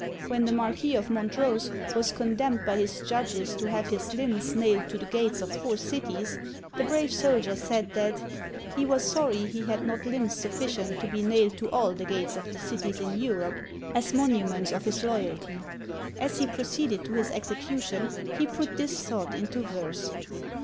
When the Marquis of Montrose was condemned by his judges to have his limbs nailed to the gates of four cities, the brave soldier said that "he was sorry he had not limbs sufficient to be nailed to all the gates of the cities in Europe, as monuments of his loyalty." As he proceeded to his execution, he put this thought into verse.